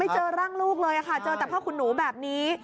ไม่เจอร่างลูกเลยค่ะเจอตัดผ้าขุนนูแบบนี้